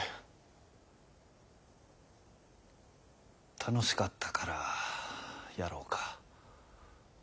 楽しかったからやろかぁ。